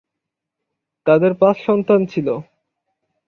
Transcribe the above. তাদের পাঁচ সন্তান ছিল।